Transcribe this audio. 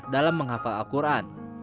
dalam menghafal al quran